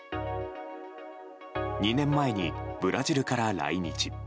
２年前にブラジルから来日。